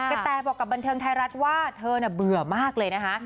แตบอกกับบันเทิงไทยรัฐว่าเธอเบื่อมากเลยนะคะ